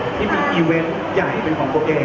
และที่มีคลิกใหญ่ใหม่ของตัวเอง